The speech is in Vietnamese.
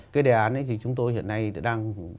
cái đề án ấy thì chúng tôi hiện nay đang